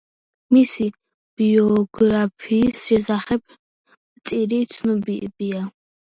მისი ბიოგრაფიის შესახებ მწირი ცნობებია.